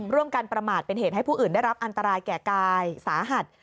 ร่วมกันประมาทเป็นเหตุให้ผู้อื่นได้รับอันตรายแก่กายสาหัส